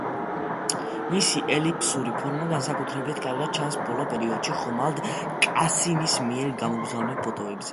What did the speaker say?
მისი ელიფსური ფორმა განსაკუთრებით კარგად ჩანს ბოლო პერიოდში ხომალდ კასინის მიერ გამოგზავნილ ფოტოებზე.